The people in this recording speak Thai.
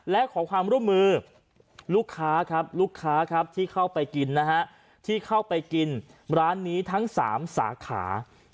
และขอความร่วมมือลูกค้าที่เข้าไปกินร้านนี้ทั้ง๓สาขา